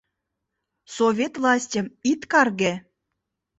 Совет властьым ит карге.